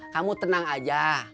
kamu tenang aja